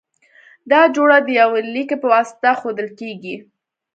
دا جوړه د یوه لیکي په واسطه ښودل کیږی.